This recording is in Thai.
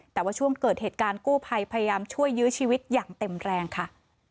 แต่ว่าช่วงเกิดเหตุการณ์กู้ภัยพยายามช่วยยื้อชีวิตอย่างเต็มแรงค่ะ